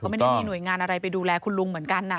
ไม่ได้มีหน่วยงานอะไรไปดูแลคุณลุงเหมือนกันนะ